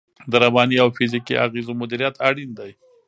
د رواني او فزیکي اغېزو مدیریت اړین دی.